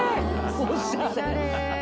おしゃれ